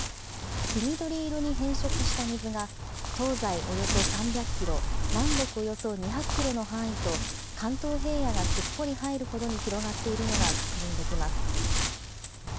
黄緑色に変色した水が東西およそ３００キロ、南北およそ２００キロの範囲と、関東平野がすっぽり入るほどに広がっているのが確認できます。